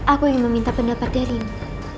aku ingin meminta pendapat darimu